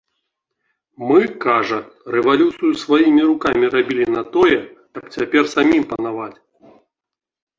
Мы, кажа, рэвалюцыю сваімі рукамі рабілі на тое, каб цяпер самім панаваць.